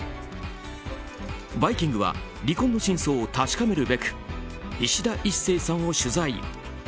「バイキング」は離婚の真相を確かめるべくいしだ壱成さんを取材。